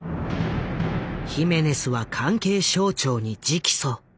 ヒメネスは関係省庁に直訴。